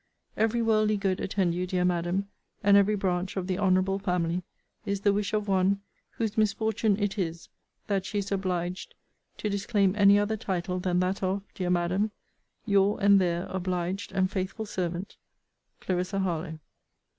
Every worldly good attend you, dear Madam, and every branch of the honourable family, is the wish of one, whose misfortune it is that she is obliged to disclaim any other title than that of, Dear Madam, Your and their obliged and faithful servant, CLARISSA HARLOWE.